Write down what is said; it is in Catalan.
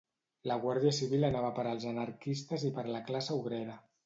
La Guàrdia Civil anava per els anarquistes i per la classe obrera